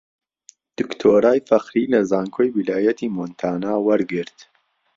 دکتۆرای فەخری لە زانکۆی ویلایەتی مۆنتانا وەرگرت